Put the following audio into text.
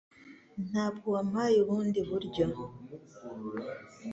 Ntabwo wampaye ubundi buryo